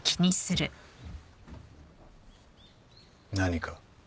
何か？